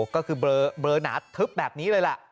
ก็คือเบลอหนาทึบแบบนี้เลยล่ะ